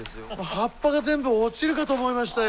葉っぱが全部落ちるかと思いましたよ。